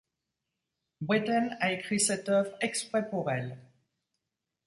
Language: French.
Britten a écrit cette œuvre exprès pour elle.